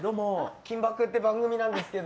「金バク！」って番組なんですけど。